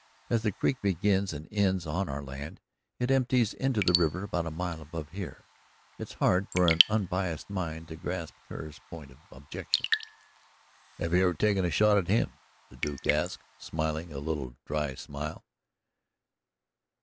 As the creek begins and ends on our land it empties into the river about a mile above here it's hard for an unbiased mind to grasp Kerr's point of objection." "Have you ever taken a shot at him?" the Duke asked, smiling a little dry smile.